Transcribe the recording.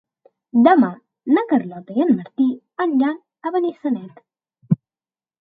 Demà na Carlota i en Martí aniran a Benissanet.